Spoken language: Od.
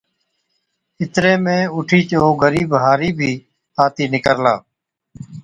اِتري ۾ اُٺِيچ او غرِيب هارِي بِي آتِي نِڪرلا۔